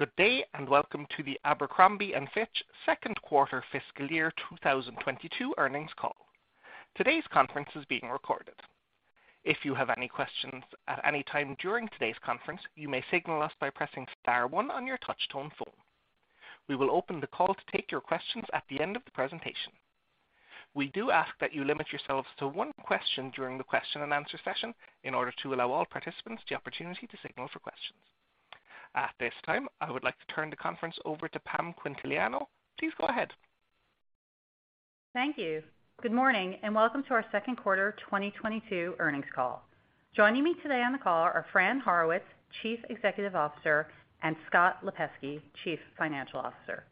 Good day, and welcome to the Abercrombie & Fitch second quarter fiscal year 2022 earnings call. Today's conference is being recorded. If you have any questions at any time during today's conference, you may signal us by pressing star one on your touch tone phone. We will open the call to take your questions at the end of the presentation. We do ask that you limit yourselves to one question during the question and answer session in order to allow all participants the opportunity to signal for questions. At this time, I would like to turn the conference over to Pam Quintiliano. Please go ahead. Thank you. Good morning, and welcome to our second quarter 2022 earnings call. Joining me today on the call are Fran Horowitz, Chief Executive Officer, and Scott Lapesky, Chief Financial Officer.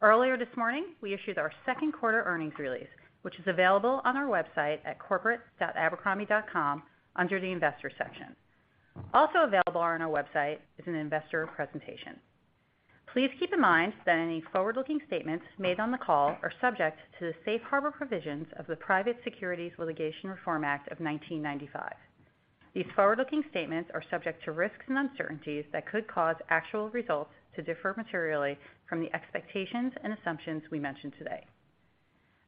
Earlier this morning, we issued our second quarter earnings release, which is available on our website at corporate dot Abercrombie dot com under the investor section. Also available on our website is an investor presentation. Please keep in mind that any forward-looking statements made on the call are subject to the safe harbor provisions of the Private Securities Litigation Reform Act of 1995. These forward-looking statements are subject to risks and uncertainties that could cause actual results to differ materially from the expectations and assumptions we mention today.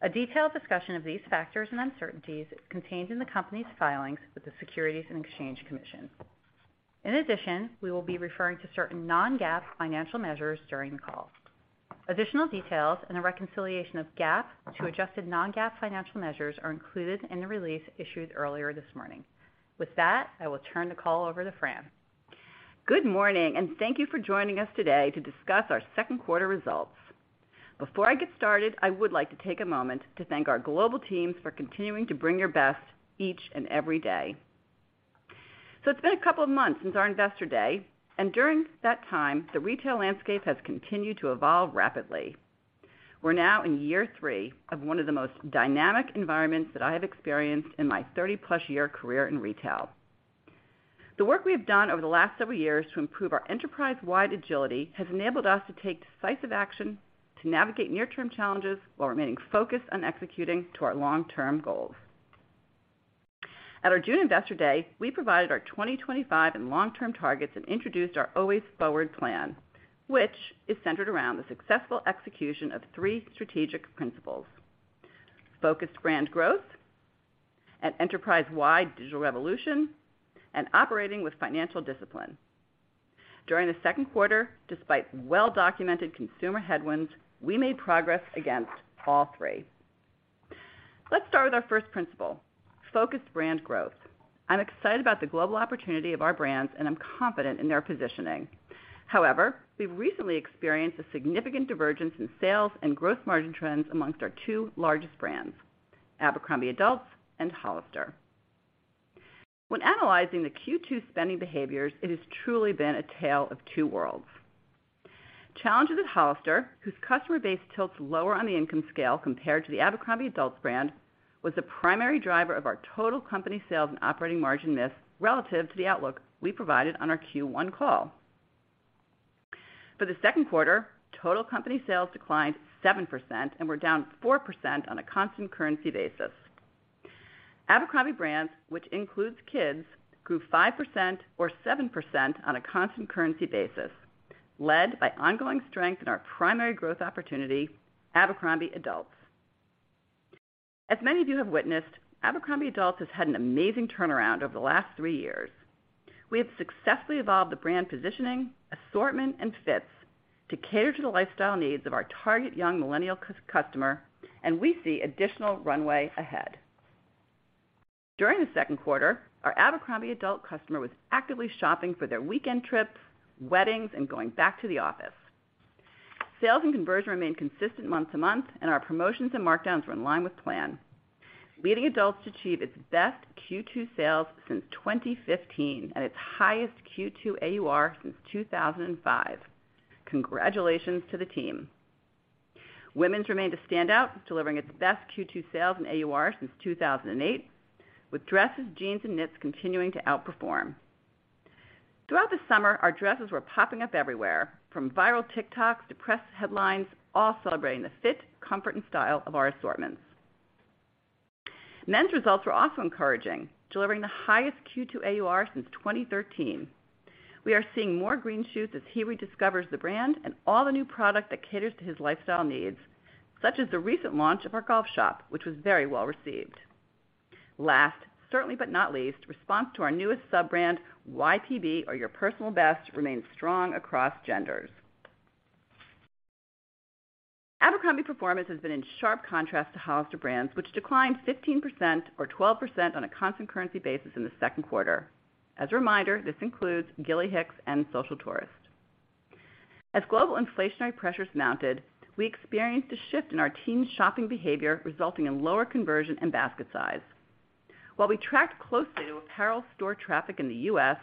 A detailed discussion of these factors and uncertainties is contained in the company's filings with the Securities and Exchange Commission. In addition, we will be referring to certain non-GAAP financial measures during the call. Additional details and the reconciliation of GAAP to adjusted non-GAAP financial measures are included in the release issued earlier this morning. With that, I will turn the call over to Fran. Good morning, and thank you for joining us today to discuss our second quarter results. Before I get started, I would like to take a moment to thank our global teams for continuing to bring your best each and every day. It's been a couple of months since our investor day, and during that time, the retail landscape has continued to evolve rapidly. We're now in year three of one of the most dynamic environments that I have experienced in my 30+ year career in retail. The work we have done over the last several years to improve our enterprise-wide agility has enabled us to take decisive action to navigate near term challenges while remaining focused on executing to our long-term goals. At our June investor day, we provided our 2025 and long-term targets and introduced our Always Forward Plan, which is centered around the successful execution of three strategic principles. Focused brand growth, an enterprise-wide digital revolution, and operating with financial discipline. During the second quarter, despite well-documented consumer headwinds, we made progress against all three. Let's start with our first principle, focused brand growth. I'm excited about the global opportunity of our brands, and I'm confident in their positioning. However, we've recently experienced a significant divergence in sales and growth margin trends among our two largest brands, Abercrombie & Fitch and Hollister. When analyzing the Q2 spending behaviors, it has truly been a tale of two worlds. Challenges at Hollister, whose customer base tilts lower on the income scale compared to the Abercrombie Adults brand, was the primary driver of our total company sales and operating margin miss relative to the outlook we provided on our Q1 call. For the second quarter, total company sales declined 7% and were down 4% on a constant currency basis. Abercrombie brands, which includes Kids, grew 5% or 7% on a constant currency basis, led by ongoing strength in our primary growth opportunity, Abercrombie Adults. As many of you have witnessed, Abercrombie Adults has had an amazing turnaround over the last three years. We have successfully evolved the brand positioning, assortment, and fits to cater to the lifestyle needs of our target young millennial customer, and we see additional runway ahead. During the second quarter, our Abercrombie adult customer was actively shopping for their weekend trips, weddings, and going back to the office. Sales and conversion remained consistent month-to-month, and our promotions and markdowns were in line with plan, leading Adults to achieve its best Q2 sales since 2015 at its highest Q2 AUR since 2005. Congratulations to the team. Women's remained a standout, delivering its best Q2 sales in AUR since 2008, with dresses, jeans, and knits continuing to outperform. Throughout the summer, our dresses were popping up everywhere, from viral TikToks to press headlines, all celebrating the fit, comfort, and style of our assortments. Men's results were also encouraging, delivering the highest Q2 AUR since 2013. We are seeing more green shoots as he rediscovers the brand and all the new product that caters to his lifestyle needs, such as the recent launch of our golf shop, which was very well-received. Last, certainly but not least, response to our newest sub-brand, YPB, or Your Personal Best, remains strong across genders. Abercrombie performance has been in sharp contrast to Hollister brand, which declined 15% or 12% on a constant currency basis in the second quarter. As a reminder, this includes Gilly Hicks and Social Tourist. As global inflationary pressures mounted, we experienced a shift in our teens' shopping behavior, resulting in lower conversion and basket size. While we tracked closely to apparel store traffic in the U.S.,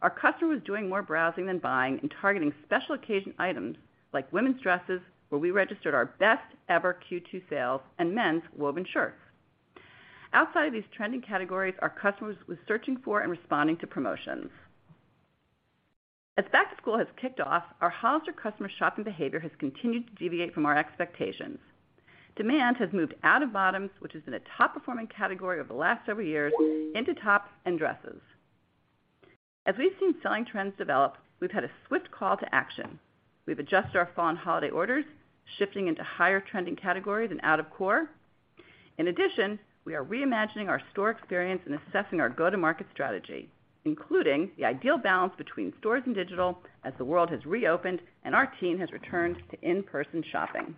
our customers doing more browsing than buying and targeting special occasion items like women's dresses, where we registered our best ever Q2 sales, and men's woven shirts. Outside of these trending categories, our customers was searching for and responding to promotions. As back to school has kicked off, our Hollister customer shopping behavior has continued to deviate from our expectations. Demand has moved out of bottoms, which has been a top performing category over the last several years, into tops and dresses. As we've seen selling trends develop, we've had a swift call to action. We've adjusted our fall and holiday orders, shifting into higher trending categories and out of core. In addition, we are reimagining our store experience and assessing our go-to-market strategy, including the ideal balance between stores and digital as the world has reopened and our team has returned to in-person shopping.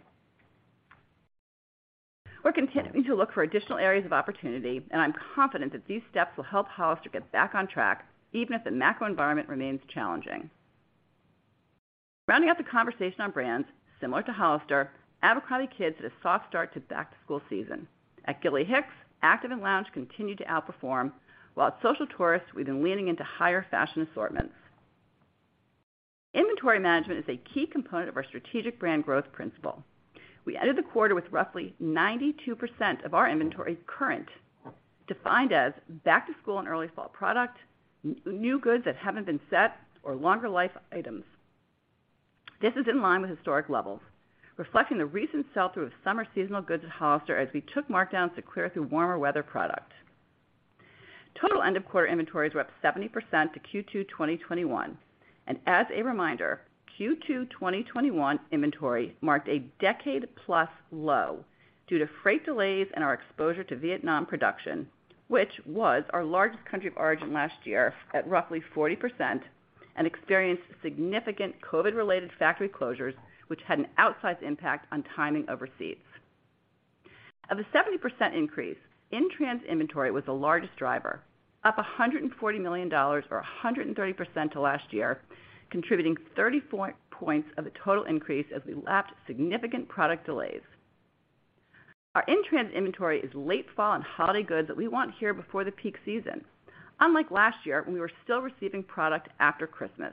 We're continuing to look for additional areas of opportunity, and I'm confident that these steps will help Hollister get back on track even if the macro environment remains challenging. Rounding out the conversation on brands, similar to Hollister, Abercrombie Kids had a soft start to back-to-school season. At Gilly Hicks, active and lounge continued to outperform, while at Social Tourist, we've been leaning into higher fashion assortments. Inventory management is a key component of our strategic brand growth principle. We ended the quarter with roughly 92% of our inventory current, defined as back to school and early fall product, new goods that haven't been set, or longer life items. This is in line with historic levels, reflecting the recent sell-through of summer seasonal goods at Hollister as we took markdowns to clear through warmer weather product. Total end of quarter inventories were up 70% to Q2 2021. As a reminder, Q2 2021 inventory marked a decade-plus low due to freight delays and our exposure to Vietnam production, which was our largest country of origin last year at roughly 40% and experienced significant COVID-related factory closures, which had an outsized impact on timing of receipts. Of the 70% increase, in-trans inventory was the largest driver, up $140 million or 130% to last year, contributing 34 points of the total increase as we lapped significant product delays. Our in-transit inventory is late fall and holiday goods that we want here before the peak season, unlike last year when we were still receiving product after Christmas.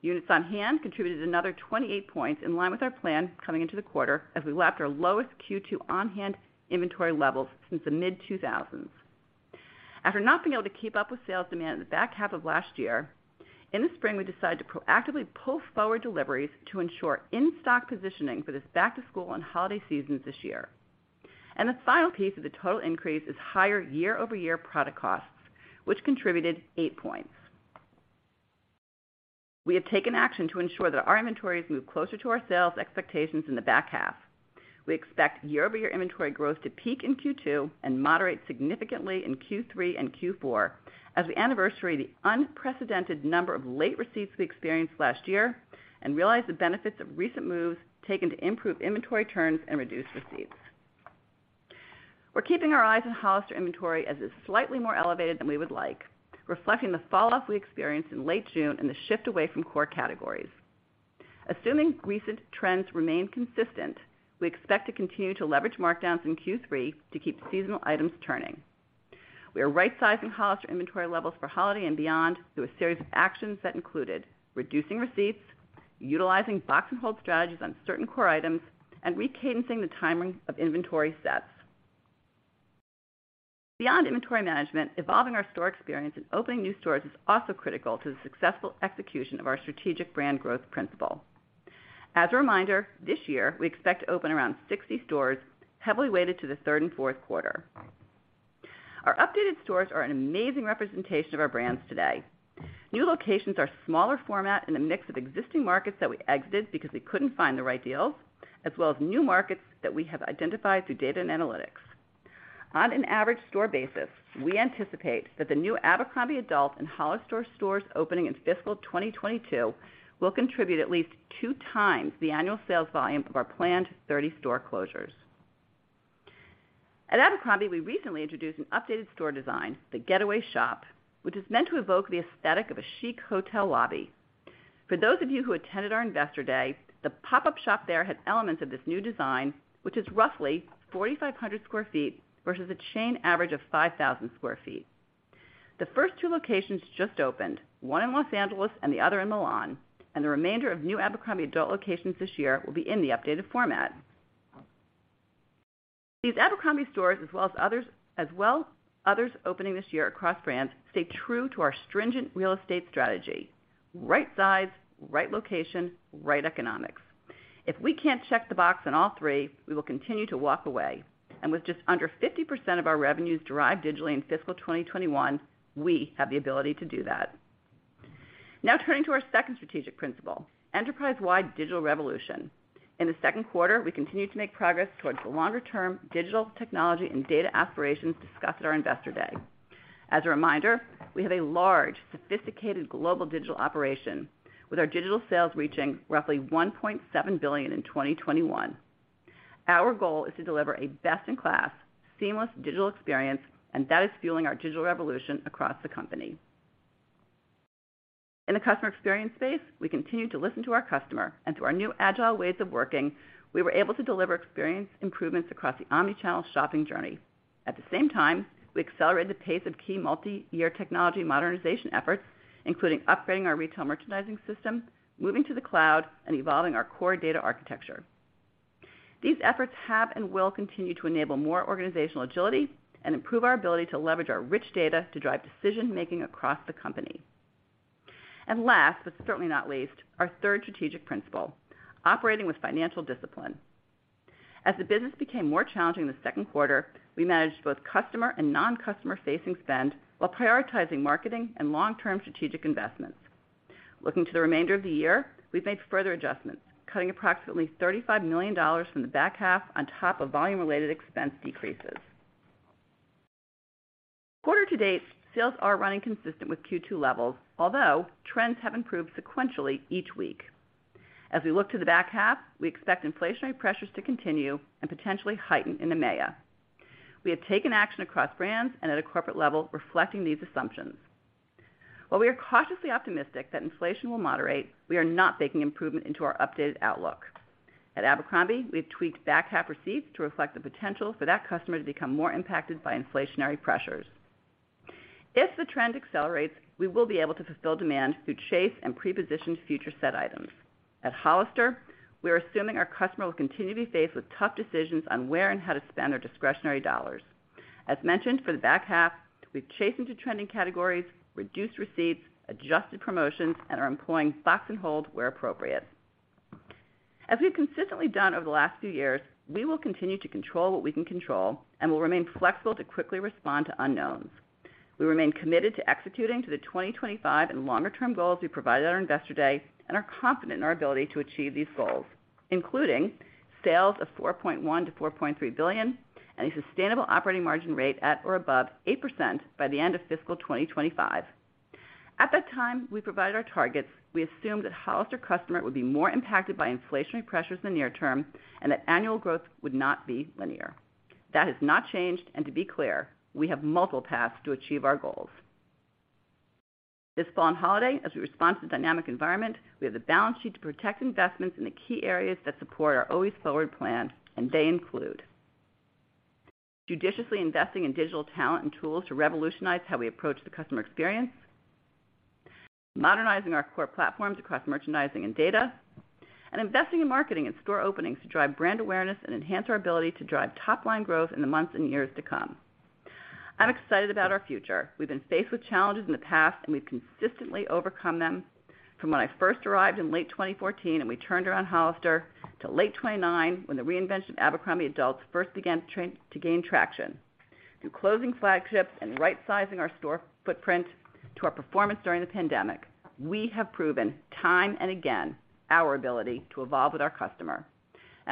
Units on hand contributed another 28 points in line with our plan coming into the quarter as we lapped our lowest Q2 on-hand inventory levels since the mid-2000s. After not being able to keep up with sales demand in the back half of last year, in the spring, we decided to proactively pull forward deliveries to ensure in-stock positioning for this back to school and holiday seasons this year. The final piece of the total increase is higher year-over-year product costs, which contributed eight points. We have taken action to ensure that our inventories move closer to our sales expectations in the back half. We expect year-over-year inventory growth to peak in Q2 and moderate significantly in Q3 and Q4 as we anniversary the unprecedented number of late receipts we experienced last year and realize the benefits of recent moves taken to improve inventory turns and reduce receipts. We're keeping our eyes on Hollister inventory as it's slightly more elevated than we would like, reflecting the falloff we experienced in late June and the shift away from core categories. Assuming recent trends remain consistent, we expect to continue to leverage markdowns in Q3 to keep seasonal items turning. We are rightsizing Hollister inventory levels for holiday and beyond through a series of actions that included reducing receipts, utilizing box and hold strategies on certain core items, and re-cadencing the timing of inventory sets. Beyond inventory management, evolving our store experience and opening new stores is also critical to the successful execution of our strategic brand growth principle. As a reminder, this year, we expect to open around 60 stores, heavily weighted to the third and fourth quarter. Our updated stores are an amazing representation of our brands today. New locations are smaller format in a mix of existing markets that we exited because we couldn't find the right deals, as well as new markets that we have identified through data and analytics. On an average store basis, we anticipate that the new Abercrombie Adult and Hollister stores opening in fiscal 2022 will contribute at least two times the annual sales volume of our planned 30 store closures. At Abercrombie, we recently introduced an updated store design, The Getaway Shop, which is meant to evoke the aesthetic of a chic hotel lobby. For those of you who attended our investor day, the pop-up shop there had elements of this new design, which is roughly 4,500 sq ft versus a chain average of 5,000 sq ft. The first two locations just opened, one in Los Angeles and the other in Milan, and the remainder of new Abercrombie adult locations this year will be in the updated format. These Abercrombie stores as well as others opening this year across brands stay true to our stringent real estate strategy, right size, right location, right economics. If we can't check the box on all three, we will continue to walk away. With just under 50% of our revenues derived digitally in fiscal 2021, we have the ability to do that. Now turning to our second strategic principle, enterprise-wide digital revolution. In the second quarter, we continued to make progress towards the longer-term digital technology and data aspirations discussed at our investor day. As a reminder, we have a large, sophisticated global digital operation, with our digital sales reaching roughly $1.7 billion in 2021. Our goal is to deliver a best-in-class, seamless digital experience, and that is fueling our digital revolution across the company. In the customer experience space, we continued to listen to our customer, and through our new agile ways of working, we were able to deliver experience improvements across the omnichannel shopping journey. At the same time, we accelerated the pace of key multiyear technology modernization efforts, including upgrading our retail merchandising system, moving to the cloud, and evolving our core data architecture. These efforts have and will continue to enable more organizational agility and improve our ability to leverage our rich data to drive decision-making across the company. Last, but certainly not least, our third strategic principle, operating with financial discipline. As the business became more challenging in the second quarter, we managed both customer and non-customer facing spend while prioritizing marketing and long-term strategic investments. Looking to the remainder of the year, we've made further adjustments, cutting approximately $35 million from the back half on top of volume-related expense decreases. Quarter to date, sales are running consistent with Q2 levels, although trends have improved sequentially each week. As we look to the back half, we expect inflationary pressures to continue and potentially heighten in EMEA. We have taken action across brands and at a corporate level reflecting these assumptions. While we are cautiously optimistic that inflation will moderate, we are not baking improvement into our updated outlook. At Abercrombie, we have tweaked back half receipts to reflect the potential for that customer to become more impacted by inflationary pressures. If the trend accelerates, we will be able to fulfill demand through chase and pre-positioned future set items. At Hollister, we are assuming our customer will continue to be faced with tough decisions on where and how to spend their discretionary dollars. As mentioned for the back half, we've chased into trending categories, reduced receipts, adjusted promotions, and are employing box and hold where appropriate. As we've consistently done over the last few years, we will continue to control what we can control and will remain flexible to quickly respond to unknowns. We remain committed to executing to the 2025 and longer-term goals we provided at our Investor Day, and are confident in our ability to achieve these goals, including sales of $4.1 billion-$4.3 billion, and a sustainable operating margin rate at or above 8% by the end of fiscal 2025. At that time we provided our targets, we assumed that Hollister customer would be more impacted by inflationary pressures in the near term and that annual growth would not be linear. That has not changed, and to be clear, we have multiple paths to achieve our goals. This fall and holiday, as we respond to the dynamic environment, we have the balance sheet to protect investments in the key areas that support our Always Forward Plan, and they include judiciously investing in digital talent and tools to revolutionize how we approach the customer experience, modernizing our core platforms across merchandising and data, and investing in marketing and store openings to drive brand awareness and enhance our ability to drive top-line growth in the months and years to come. I'm excited about our future. We've been faced with challenges in the past, and we've consistently overcome them. From when I first arrived in late 2014 and we turned around Hollister to late 2019 when the reinvention of Abercrombie Adults first began to gain traction. Through closing flagships and rightsizing our store footprint to our performance during the pandemic, we have proven time and again our ability to evolve with our customer.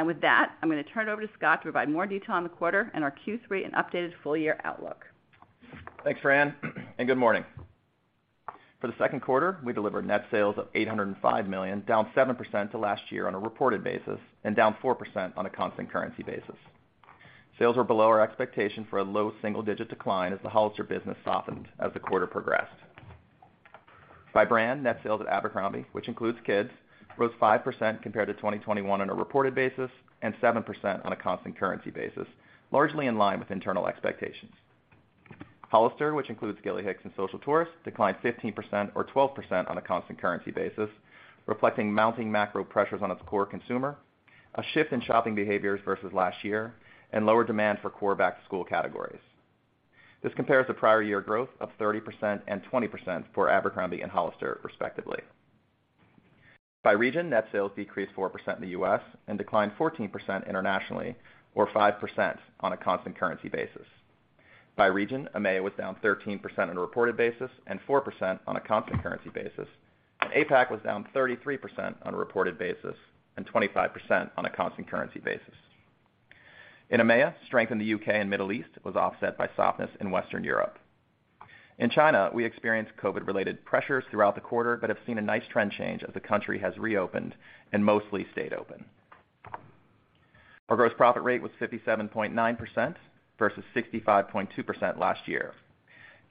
With that, I'm gonna turn it over to Scott to provide more detail on the quarter and our Q3 and updated full year outlook. Thanks, Fran, and good morning. For the second quarter, we delivered net sales of $805 million, down 7% to last year on a reported basis, and down 4% on a constant currency basis. Sales were below our expectation for a low single-digit decline as the Hollister business softened as the quarter progressed. By brand, net sales at Abercrombie, which includes Kids, rose 5% compared to 2021 on a reported basis and 7% on a constant currency basis, largely in line with internal expectations. Hollister, which includes Gilly Hicks and Social Tourist, declined 15% or 12% on a constant currency basis, reflecting mounting macro pressures on its core consumer, a shift in shopping behaviors versus last year, and lower demand for core back-to-school categories. This compares to prior year growth of 30% and 20% for Abercrombie and Hollister, respectively. By region, net sales decreased 4% in the U.S. and declined 14% internationally or 5% on a constant currency basis. By region, EMEA was down 13% on a reported basis and 4% on a constant currency basis, and APAC was down 33% on a reported basis and 25% on a constant currency basis. In EMEA, strength in the U.K. and Middle East was offset by softness in Western Europe. In China, we experienced COVID-related pressures throughout the quarter, but have seen a nice trend change as the country has reopened and mostly stayed open. Our gross profit rate was 57.9% versus 65.2% last year.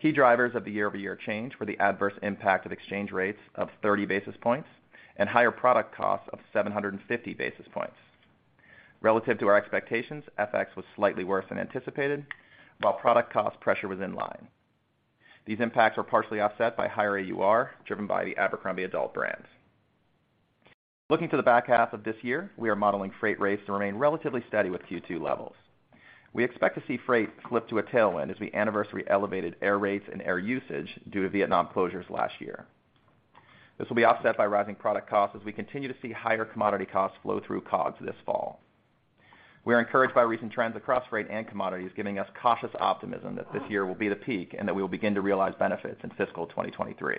Key drivers of the year-over-year change were the adverse impact of exchange rates of 30 basis points and higher product costs of 750 basis points. Relative to our expectations, FX was slightly worse than anticipated, while product cost pressure was in line. These impacts were partially offset by higher AUR, driven by the Abercrombie adult brand. Looking to the back half of this year, we are modeling freight rates to remain relatively steady with Q2 levels. We expect to see freight flip to a tailwind as we anniversary elevated air rates and air usage due to Vietnam closures last year. This will be offset by rising product costs as we continue to see higher commodity costs flow through COGS this fall. We are encouraged by recent trends across rate and commodities giving us cautious optimism that this year will be the peak and that we will begin to realize benefits in fiscal 2023.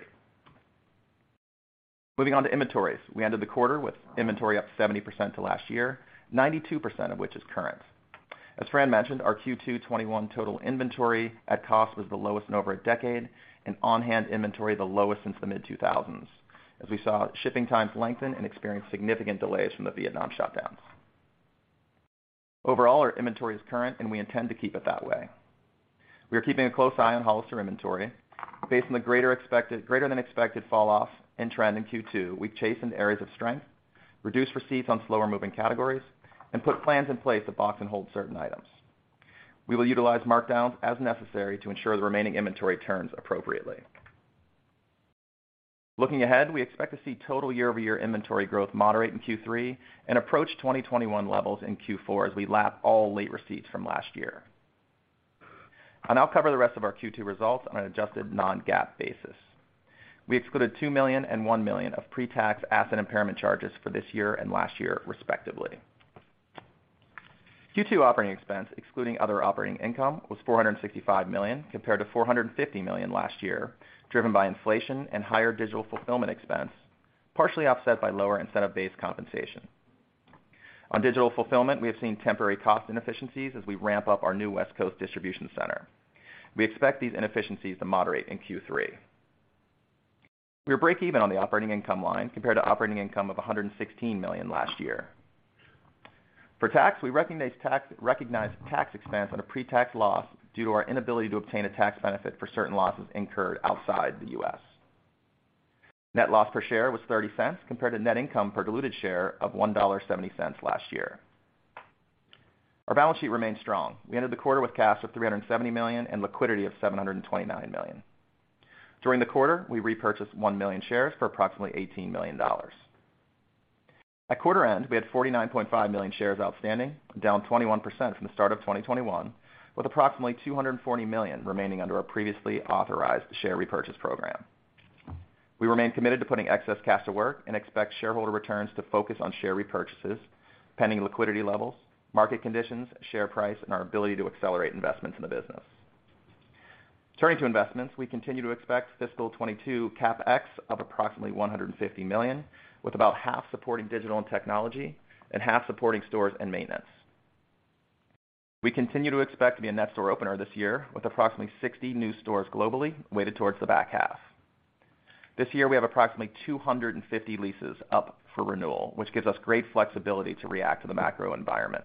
Moving on to inventories. We ended the quarter with inventory up 70% to last year, 92% of which is current. As Fran mentioned, our Q2 2021 total inventory at cost was the lowest in over a decade, and on-hand inventory the lowest since the mid-2000s, as we saw shipping times lengthen and experience significant delays from the Vietnam shutdowns. Overall, our inventory is current, and we intend to keep it that way. We are keeping a close eye on Hollister inventory. Based on the greater than expected fall-off in trend in Q2, we've chased in areas of strength, reduced receipts on slower moving categories, and put plans in place to box and hold certain items. We will utilize markdowns as necessary to ensure the remaining inventory turns appropriately. Looking ahead, we expect to see total year-over-year inventory growth moderate in Q3 and approach 2021 levels in Q4 as we lap all late receipts from last year. I'll cover the rest of our Q2 results on an adjusted non-GAAP basis. We excluded $2 million and .1 million of pre-tax asset impairment charges for this year and last year, respectively. Q2 operating expense, excluding other operating income, was $465 million compared to $450 million last year, driven by inflation and higher digital fulfillment expense, partially offset by lower incentive-based compensation. On digital fulfillment, we have seen temporary cost inefficiencies as we ramp up our new West Coast distribution center. We expect these inefficiencies to moderate in Q3. We were breakeven on the operating income line compared to operating income of $116 million last year. For tax, we recognized tax expense on a pre-tax loss due to our inability to obtain a tax benefit for certain losses incurred outside the U.S. Net loss per share was $0.30 compared to net income per diluted share of $1.70 last year. Our balance sheet remains strong. We ended the quarter with cash of $370 million and liquidity of $729 million. During the quarter, we repurchased one million shares for approximately $18 million. At quarter end, we had 49.5 million shares outstanding, down 21% from the start of 2021, with approximately $240 million remaining under our previously authorized share repurchase program. We remain committed to putting excess cash to work and expect shareholder returns to focus on share repurchases, pending liquidity levels, market conditions, share price, and our ability to accelerate investments in the business. Turning to investments, we continue to expect fiscal 2022 CapEx of approximately $150 million, with about half supporting digital and technology and half supporting stores and maintenance. We continue to expect to be a net store opener this year with approximately 60 new stores globally, weighted towards the back half. This year, we have approximately 250 leases up for renewal, which gives us great flexibility to react to the macro environment.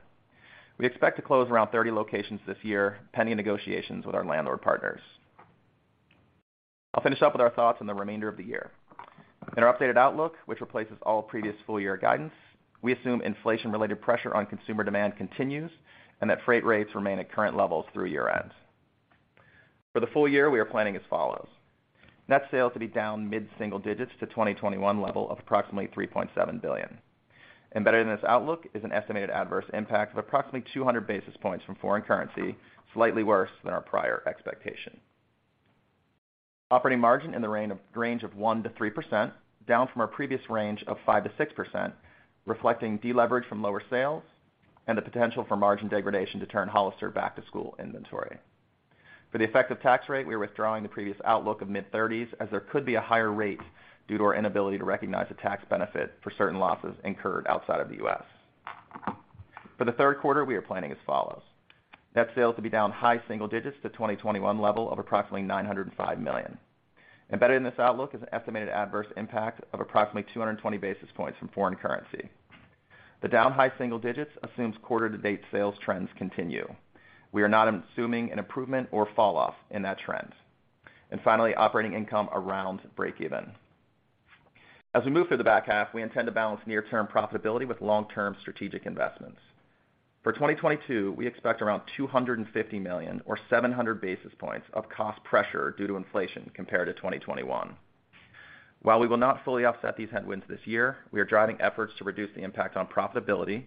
We expect to close around 30 locations this year, pending negotiations with our landlord partners. I'll finish up with our thoughts on the remainder of the year. In our updated outlook, which replaces all previous full year guidance, we assume inflation-related pressure on consumer demand continues and that freight rates remain at current levels through year-end. For the full year, we are planning as follows: Net sales to be down mid-single digits to 2021 level of approximately $3.7 billion. Embedded in this outlook is an estimated adverse impact of approximately 200 basis points from foreign currency, slightly worse than our prior expectation. Operating margin in the range of 1%-3%, down from our previous range of 5%-6%, reflecting deleverage from lower sales and the potential for margin degradation to turn Hollister back-to-school inventory. For the effective tax rate, we are withdrawing the previous outlook of mid-30s% as there could be a higher rate due to our inability to recognize a tax benefit for certain losses incurred outside of the U.S. For the third quarter, we are planning as follows. Net sales to be down high single digits% to 2021 level of approximately $905 million. Embedded in this outlook is an estimated adverse impact of approximately 220 basis points from foreign currency. The down high single digits% assumes quarter to date sales trends continue. We are not assuming an improvement or fall off in that trend. Finally, operating income around breakeven. As we move through the back half, we intend to balance near-term profitability with long-term strategic investments. For 2022, we expect around $250 million or 700 basis points of cost pressure due to inflation compared to 2021. While we will not fully offset these headwinds this year, we are driving efforts to reduce the impact on profitability,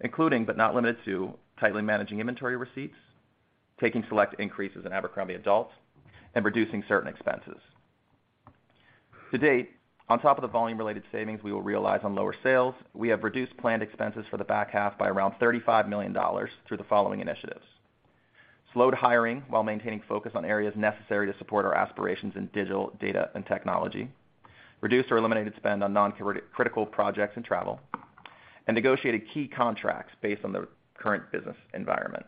including, but not limited to, tightly managing inventory receipts, taking select increases in Abercrombie adults, and reducing certain expenses. To date, on top of the volume-related savings we will realize on lower sales, we have reduced planned expenses for the back half by around $35 million through the following initiatives, slowed hiring while maintaining focus on areas necessary to support our aspirations in digital data and technology, reduced or eliminated spend on critical projects and travel, and negotiated key contracts based on the current business environment.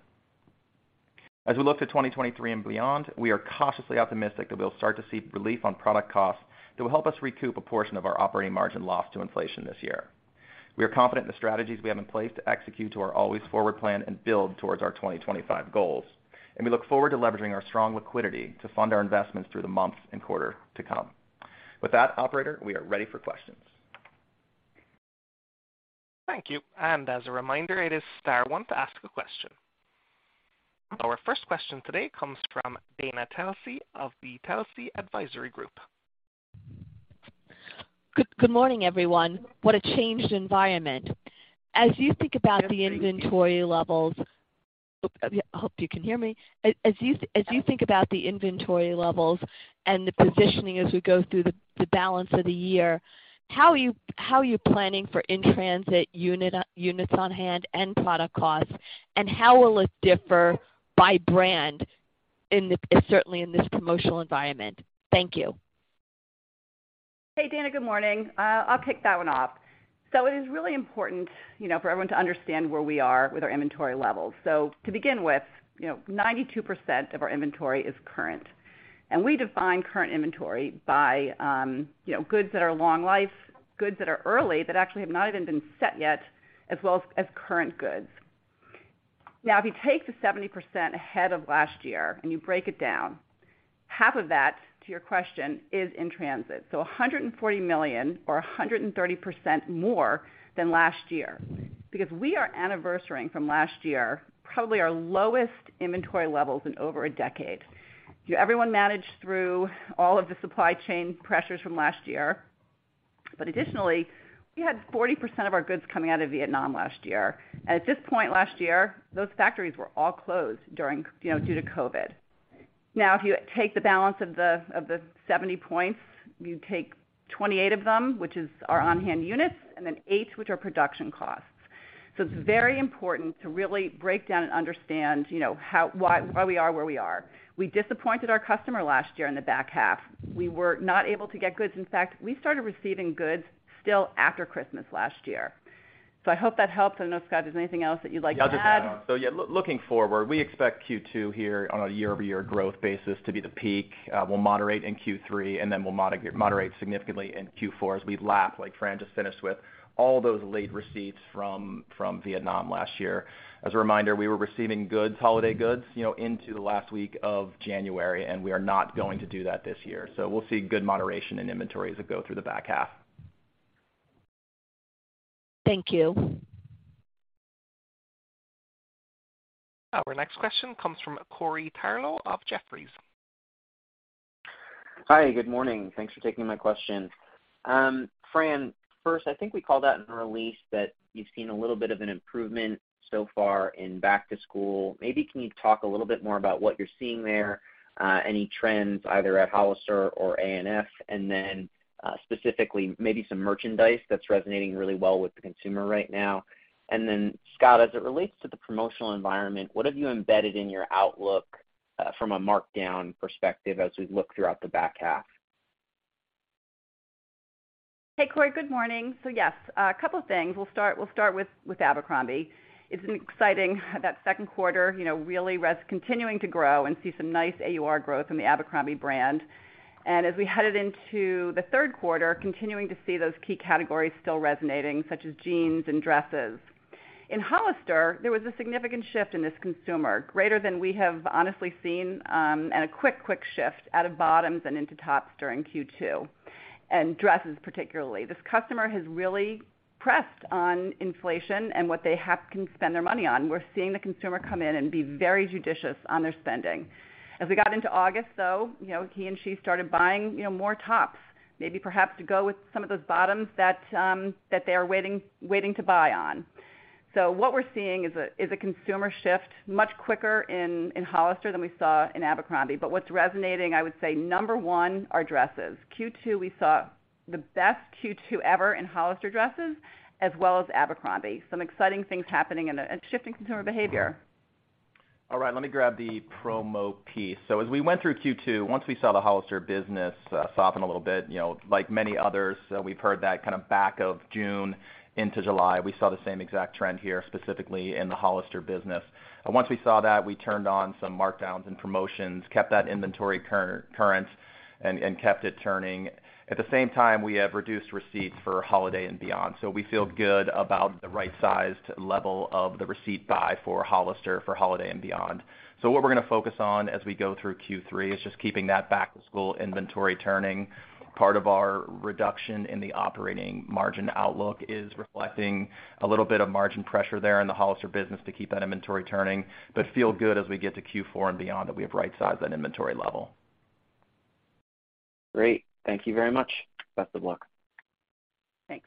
As we look to 2023 and beyond, we are cautiously optimistic that we'll start to see relief on product costs that will help us recoup a portion of our operating margin loss to inflation this year. We are confident in the strategies we have in place to execute to our Always Forward Plan and build towards our 2025 goals, and we look forward to leveraging our strong liquidity to fund our investments through the months and quarter to come. With that, operator, we are ready for questions. Thank you. As a reminder, it is star one to ask a question. Our first question today comes from Dana Telsey of the Telsey Advisory Group. Good morning, everyone. What a changed environment. Hope you can hear me. As you think about the inventory levels and the positioning as we go through the balance of the year, how are you planning for in-transit units on hand and product costs, and how will it differ by brand, certainly in this promotional environment? Thank you. Hey, Dana, good morning. I'll pick that one up. It is really important, you know, for everyone to understand where we are with our inventory levels. To begin with, you know, 92% of our inventory is current. We define current inventory by, you know, goods that are long life, goods that are early, that actually have not even been set yet, as well as current goods. Now, if you take the 70% ahead of last year and you break it down, half of that, to your question, is in transit. $140 million or 130% more than last year. Because we are anniversarying from last year, probably our lowest inventory levels in over a decade. You know, everyone managed through all of the supply chain pressures from last year. Additionally, we had 40% of our goods coming out of Vietnam last year. At this point last year, those factories were all closed during, you know, due to COVID. Now, if you take the balance of the 70 points, you take 28 of them, which is our on-hand units, and then eight, which are production costs. It's very important to really break down and understand, you know, why we are where we are. We disappointed our customer last year in the back half. We were not able to get goods. In fact, we started receiving goods still after Christmas last year. I hope that helps. I don't know if, Scott, there's anything else that you'd like to add. I'll just add on. Looking forward, we expect Q2 here on a year-over-year growth basis to be the peak. We'll moderate in Q3, and then we'll moderate significantly in Q4 as we lap, like Fran just finished with, all those late receipts from Vietnam last year. As a reminder, we were receiving goods, holiday goods, you know, into the last week of January, and we are not going to do that this year. We'll see good moderation in inventories that go through the back half. Thank you. Our next question comes from Corey Tarlowe of Jefferies. Hi, good morning. Thanks for taking my question. Fran, first, I think we called out in the release that you've seen a little bit of an improvement so far in back-to-school. Maybe can you talk a little bit more about what you're seeing there, any trends either at Hollister or ANF? Specifically maybe some merchandise that's resonating really well with the consumer right now. Scott, as it relates to the promotional environment, what have you embedded in your outlook, from a markdown perspective as we look throughout the back half? Hey, Corey. Good morning. Yes, a couple things. We'll start with Abercrombie. It's been exciting. That second quarter, you know, continuing to grow and see some nice AUR growth in the Abercrombie brand. As we headed into the third quarter, continuing to see those key categories still resonating, such as jeans and dresses. In Hollister, there was a significant shift in this consumer, greater than we have honestly seen, and a quick shift out of bottoms and into tops during Q2, and dresses particularly. This customer has really pressed on inflation and what they can spend their money on. We're seeing the consumer come in and be very judicious on their spending. As we got into August, though, you know, he and she started buying, you know, more tops, maybe perhaps to go with some of those bottoms that they are waiting to buy on. What we're seeing is a consumer shift much quicker in Hollister than we saw in Abercrombie. What's resonating, I would say number one are dresses. Q2, we saw the best Q2 ever in Hollister dresses as well as Abercrombie. Some exciting things happening and shifting consumer behavior. All right, let me grab the promo piece. As we went through Q2, once we saw the Hollister business soften a little bit, you know, like many others, we've heard that kind of back of June into July. We saw the same exact trend here, specifically in the Hollister business. Once we saw that, we turned on some markdowns and promotions, kept that inventory current and kept it turning. At the same time, we have reduced receipts for holiday and beyond. We feel good about the right sized level of the receipt buy for Hollister for holiday and beyond. What we're gonna focus on as we go through Q3 is just keeping that back-to-school inventory turning. Part of our reduction in the operating margin outlook is reflecting a little bit of margin pressure there in the Hollister business to keep that inventory turning. We feel good as we get to Q4 and beyond, that we have right-sized that inventory level. Great. Thank you very much. Best of luck. Thanks.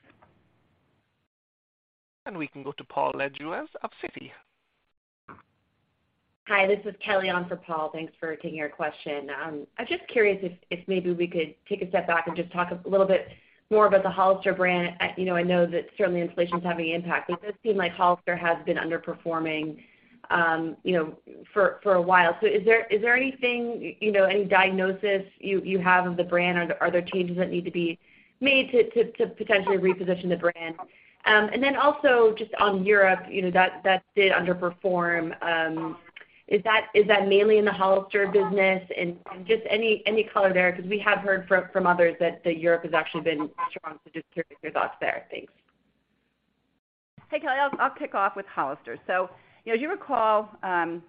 We can go to Paul Lejuez of Citi. Hi, this is Kelly on for Paul. Thanks for taking our question. I'm just curious if maybe we could take a step back and just talk a little bit more about the Hollister brand. You know, I know that certainly inflation is having an impact, but it does seem like Hollister has been underperforming, you know, for a while. Is there anything, you know, any diagnosis you have of the brand? Are there changes that need to be made to potentially reposition the brand? Also just on Europe, you know, that did underperform. Is that mainly in the Hollister business? Just any color there, because we have heard from others that Europe has actually been strong. Just curious your thoughts there. Thanks. Hey, Kelly, I'll kick off with Hollister. You know, as you recall,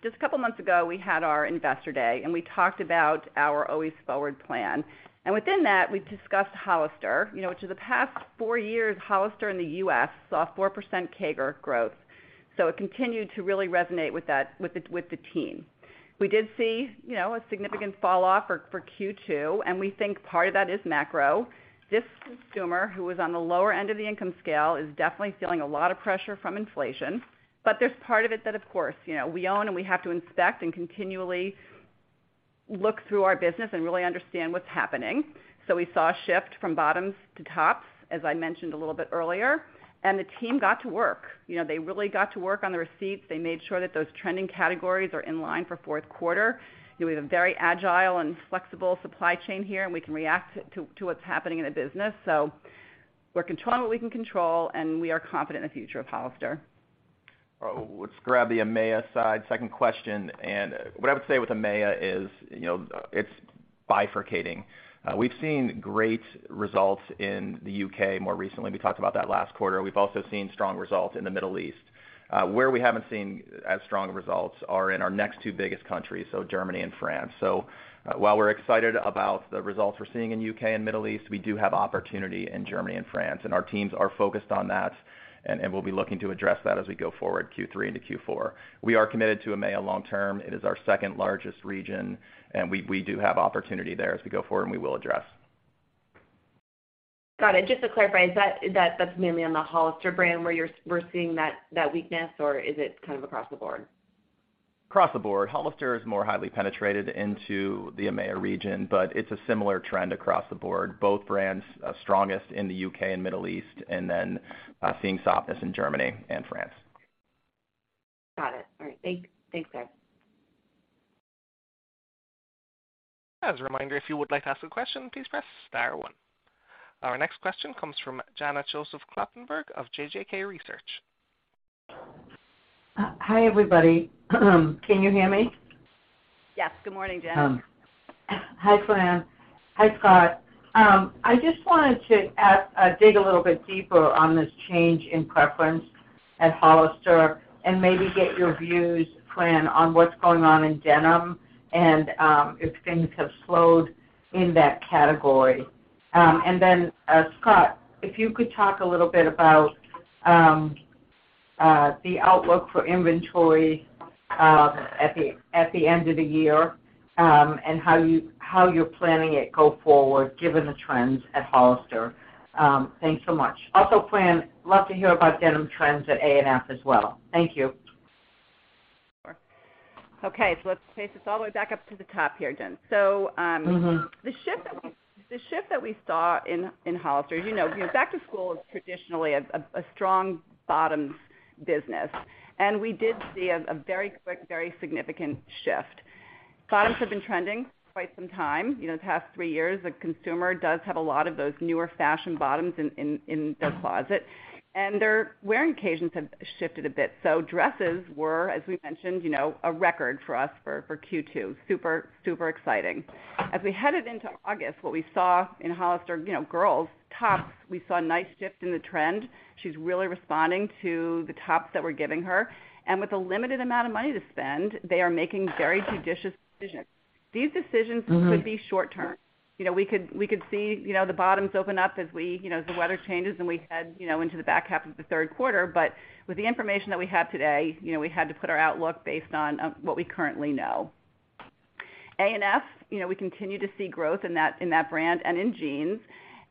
just a couple of months ago, we had our Investor Day, and we talked about our Always Forward Plan. Within that, we discussed Hollister. You know, which is the past four years, Hollister in the U.S. saw 4% CAGR growth. It continued to really resonate with that, with the team. We did see a significant fall off for Q2, and we think part of that is macro. This consumer, who is on the lower end of the income scale, is definitely feeling a lot of pressure from inflation. There's part of it that, of course, you know, we own and we have to inspect and continually look through our business and really understand what's happening. We saw a shift from bottoms to tops, as I mentioned a little bit earlier, and the team got to work. You know, they really got to work on the receipts. They made sure that those trending categories are in line for fourth quarter. You know, we have a very agile and flexible supply chain here, and we can react to what's happening in the business. We're controlling what we can control, and we are confident in the future of Hollister. Let's grab the EMEA side, second question. What I would say with EMEA is, you know, it's bifurcating. We've seen great results in the U.K. more recently. We talked about that last quarter. We've also seen strong results in the Middle East. Where we haven't seen as strong results are in our next two biggest countries, so Germany and France. While we're excited about the results we're seeing in U.K. and Middle East, we do have opportunity in Germany and France, and our teams are focused on that, and we'll be looking to address that as we go forward, Q3 into Q4. We are committed to EMEA long term. It is our second largest region, and we do have opportunity there as we go forward, and we will address. Got it. Just to clarify, is that that's mainly on the Hollister brand where we're seeing that weakness or is it kind of across the board? Across the board. Hollister is more highly penetrated into the EMEA region, but it's a similar trend across the board. Both brands are strongest in the U.K. and Middle East and then, seeing softness in Germany and France. Got it. All right. Thanks, guys. As a reminder, if you would like to ask a question, please press star one. Our next question comes from Janet Kloppenburg of JJK Research. Hi, everybody. Can you hear me? Yes. Good morning, Janet. Hi, Fran. Hi, Scott. I just wanted to dig a little bit deeper on this change in preference at Hollister and maybe get your views, Fran, on what's going on in denim and if things have slowed in that category. Scott, if you could talk a little bit about the outlook for inventory at the end of the year and how you're planning to go forward, given the trends at Hollister. Thanks so much. Also, Fran, love to hear about denim trends at A&F as well. Thank you. Okay. Let's take this all the way back up to the top here, Jen. Mm-hmm The shift that we saw in Hollister, you know, back to school is traditionally a strong bottoms business. We did see a very quick, very significant shift. Bottoms have been trending for quite some time. You know, the past three years, the consumer does have a lot of those newer fashion bottoms in their closet. Their wearing occasions have shifted a bit. Dresses were, as we mentioned, you know, a record for us for Q2. Super exciting. As we headed into August, what we saw in Hollister, you know, girls tops, we saw a nice shift in the trend. She's really responding to the tops that we're giving her. With a limited amount of money to spend, they are making very judicious decisions. These decisions. Mm-hmm It could be short term. We could see the bottoms open up as the weather changes, and we head into the back half of the third quarter. With the information that we have today, we had to put our outlook based on what we currently know. A&F, we continue to see growth in that brand and in jeans.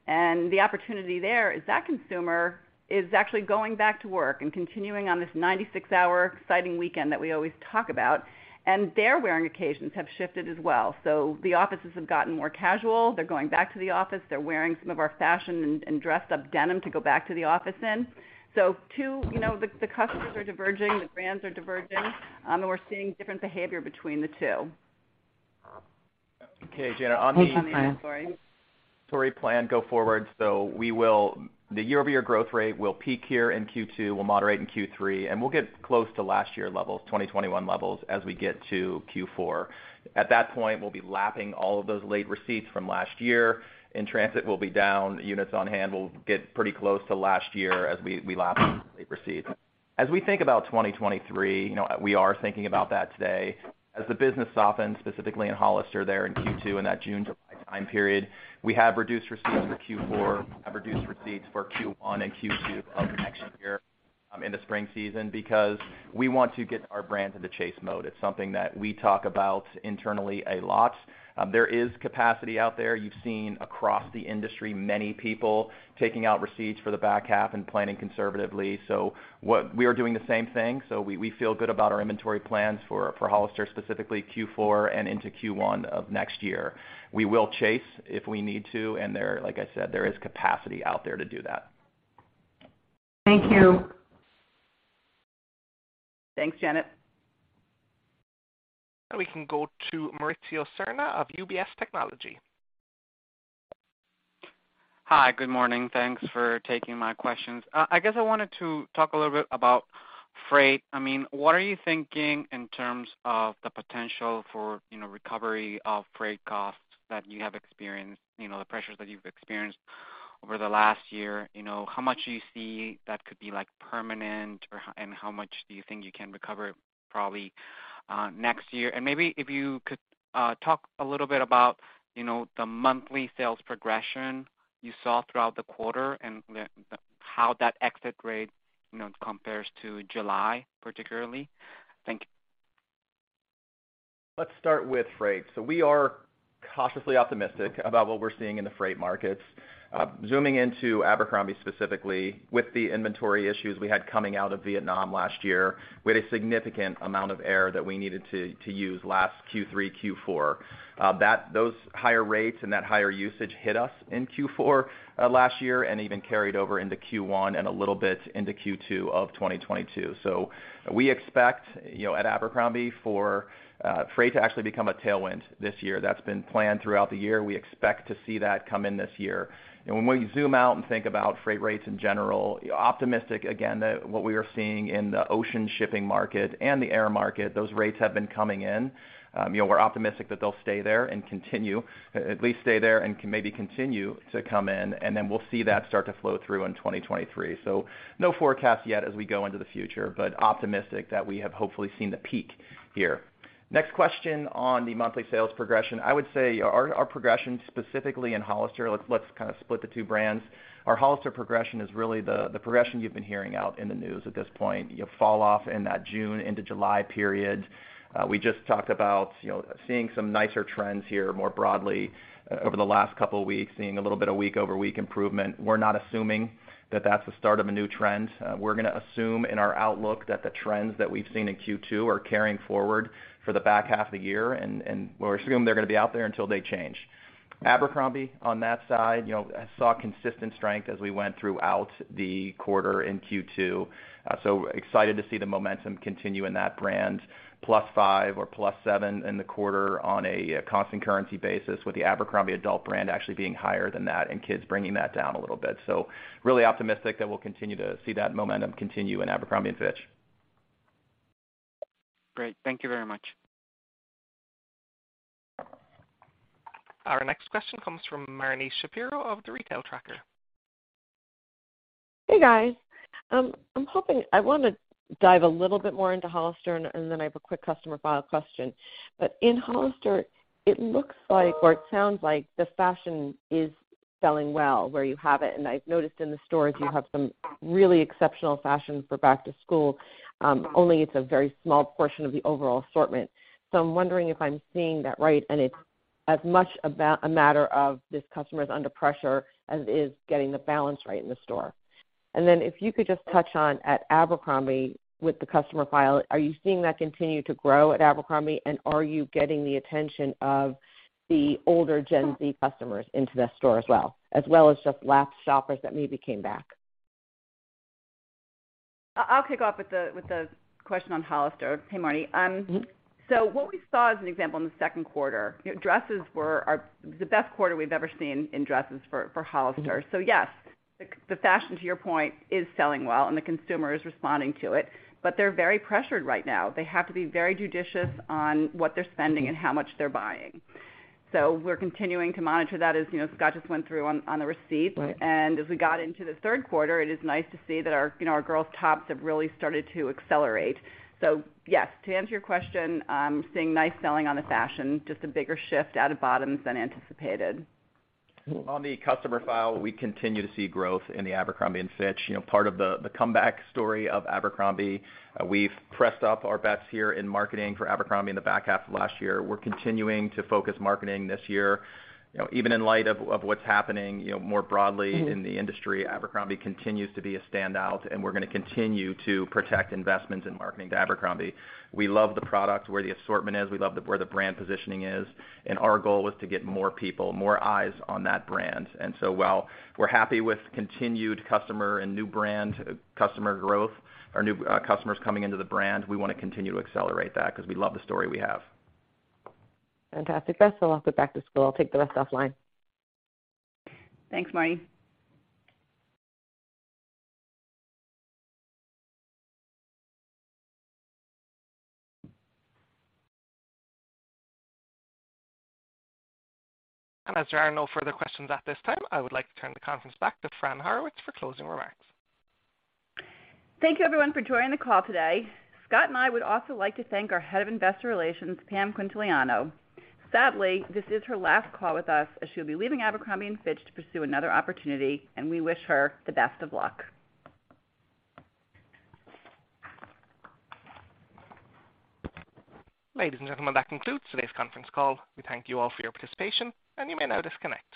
The opportunity there is that consumer is actually going back to work and continuing on this 96-hour exciting weekend that we always talk about, and their wearing occasions have shifted as well. The offices have gotten more casual. They're going back to the office. They're wearing some of our fashion and dressed up denim to go back to the office in. Two You know, the customers are diverging, the brands are diverging, and we're seeing different behavior between the two. Okay, Janet. Thanks, Fran. Inventory plan going forward. The year-over-year growth rate will peak here in Q2, will moderate in Q3, and we'll get close to last year levels, 2021 levels as we get to Q4. At that point, we'll be lapping all of those late receipts from last year, and transit will be down. Units on hand will get pretty close to last year as we lap late receipts. As we think about 2023, you know, we are thinking about that today. As the business softens, specifically in Hollister there in Q2, in that June, July time period, we have reduced receipts for Q4, have reduced receipts for Q1 and Q2 of next year, in the spring season because we want to get our brand to the chase mode. It's something that we talk about internally a lot. There is capacity out there. You've seen across the industry many people taking out receipts for the back half and planning conservatively. What we are doing the same thing. We feel good about our inventory plans for Hollister, specifically Q4 and into Q1 of next year. We will chase if we need to, and there, like I said, there is capacity out there to do that. Thank you. Thanks, Janet. We can go to Mauricio Serna of UBS. Hi. Good morning. Thanks for taking my questions. I guess I wanted to talk a little bit about freight. I mean, what are you thinking in terms of the potential for, you know, recovery of freight costs that you have experienced, you know, the pressures that you've experienced over the last year. You know, how much do you see that could be, like, permanent or and how much do you think you can recover probably, next year? Maybe if you could talk a little bit about, you know, the monthly sales progression you saw throughout the quarter and how that exit rate, you know, compares to July, particularly. Thank you. Let's start with freight. We are cautiously optimistic about what we're seeing in the freight markets. Zooming into Abercrombie specifically, with the inventory issues we had coming out of Vietnam last year, we had a significant amount of air that we needed to use last Q3, Q4. Those higher rates and that higher usage hit us in Q4 last year and even carried over into Q1 and a little bit into Q2 of 2022. We expect, you know, at Abercrombie for freight to actually become a tailwind this year. That's been planned throughout the year. We expect to see that come in this year. When we zoom out and think about freight rates in general, optimistic again that what we are seeing in the ocean shipping market and the air market, those rates have been coming in. You know, we're optimistic that they'll stay there and continue at least stay there and maybe continue to come in, and then we'll see that start to flow through in 2023. No forecast yet as we go into the future, but optimistic that we have hopefully seen the peak here. Next question on the monthly sales progression. I would say our progression specifically in Hollister. Let's kind of split the two brands. Our Hollister progression is really the progression you've been hearing out in the news at this point, you know, fall off in that June into July period. We just talked about, you know, seeing some nicer trends here more broadly over the last couple weeks, seeing a little bit of week-over-week improvement. We're not assuming that that's the start of a new trend. We're gonna assume in our outlook that the trends that we've seen in Q2 are carrying forward for the back half of the year, and we're assuming they're gonna be out there until they change. Abercrombie, on that side, you know, saw consistent strength as we went throughout the quarter in Q2. Excited to see the momentum continue in that brand +5% or +7% in the quarter on a constant currency basis with the Abercrombie adult brand actually being higher than that and kids bringing that down a little bit. Really optimistic that we'll continue to see that momentum continue in Abercrombie & Fitch. Great. Thank you very much. Our next question comes from Marni Shapiro of The Retail Tracker. Hey, guys. I wanna dive a little bit more into Hollister and then I have a quick customer file question. In Hollister it looks like or it sounds like the fashion is selling well where you have it, and I've noticed in the stores you have some really exceptional fashion for back to school, only it's a very small portion of the overall assortment. I'm wondering if I'm seeing that right and it's as much about a matter of customers are under pressure as it is getting the balance right in the store. Then if you could just touch on the customer file at Abercrombie, are you seeing that continue to grow at Abercrombie, and are you getting the attention of the older Gen Z customers into that store as well as just lapsed shoppers that maybe came back? I'll kick off with the question on Hollister. Hey, Marni. Mm-hmm. What we saw as an example in the second quarter, you know, dresses were the best quarter we've ever seen in dresses for Hollister. Yes, the fashion, to your point, is selling well, and the consumer is responding to it, but they're very pressured right now. They have to be very judicious on what they're spending and how much they're buying. We're continuing to monitor that as you know, Scott just went through on the recap. Right. As we got into the third quarter, it is nice to see that our, you know, our girls tops have really started to accelerate. Yes, to answer your question, I'm seeing nice selling on the fashion, just a bigger shift out of bottoms than anticipated. On the customer file, we continue to see growth in the Abercrombie & Fitch. You know, part of the comeback story of Abercrombie, we've pressed up our bets here in marketing for Abercrombie in the back half of last year. We're continuing to focus marketing this year. You know, even in light of what's happening, you know, more broadly. Mm-hmm. In the industry, Abercrombie continues to be a standout, and we're gonna continue to protect investments in marketing to Abercrombie. We love the product, where the assortment is, we love the where the brand positioning is, and our goal is to get more people, more eyes on that brand. While we're happy with continued customer and new brand customer growth or new customers coming into the brand, we wanna continue to accelerate that because we love the story we have. Fantastic. That's all I'll put back to Scott. I'll take the rest offline. Thanks, Marnie. As there are no further questions at this time, I would like to turn the conference back to Fran Horowitz for closing remarks. Thank you, everyone, for joining the call today. Scott and I would also like to thank our Head of Investor Relations, Pam Quintiliano. Sadly, this is her last call with us as she'll be leaving Abercrombie & Fitch to pursue another opportunity, and we wish her the best of luck. Ladies and gentlemen, that concludes today's conference call. We thank you all for your participation, and you may now disconnect.